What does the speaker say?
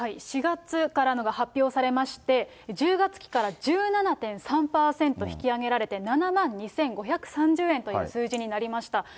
４月からのが発表されまして、１０月期から１７．３％引き上げられて、７万２５３０円という数字になりました。